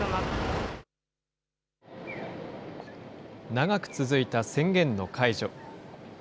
長く続いた宣言の解除。